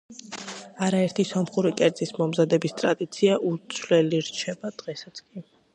არაერთი სომხური კერძის მომზადების ტრადიცია უცვლელი რჩება დღესაც კი.